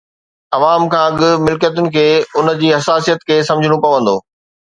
عوام کان اڳ ملڪيتن کي ان جي حساسيت کي سمجهڻو پوندو.